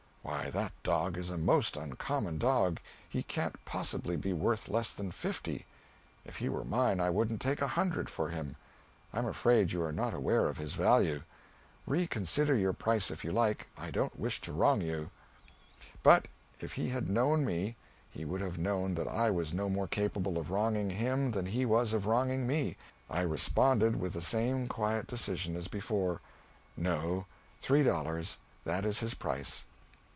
Why, that dog is a most uncommon dog; he can't possibly be worth leas than fifty. If he were mine, I wouldn't take a hundred for him. I'm afraid you are not aware of his value. Reconsider your price if you like, I don't wish to wrong you." But if he had known me he would have known that I was no more capable of wronging him than he was of wronging me. I responded with the same quiet decision as before, "No three dollars. That is his price."